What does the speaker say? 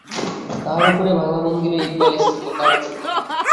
তাহার উপরে ভাঙা মন্দিরের ইঁট বালি স্তূপাকার করিলেন।